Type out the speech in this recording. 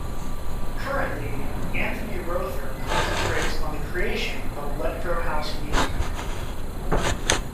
Currently, Anthony Rother concentrates on the creation of electro house music.